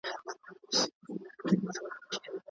غیبت کول د ټولنیزو اړیکو د خرابیدو لامل کیږي.